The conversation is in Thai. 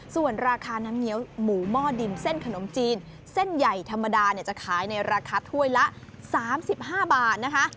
ส่วนราคาน้ำเงี้ยวหมูหม้อดินเส้นขนมจีนเส้นใหญ่ธรรมดาจะขายในราคาถ้วยละ๓๕บาทนะคะ